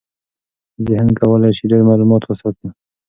ذهن کولی شي ډېر معلومات وساتي.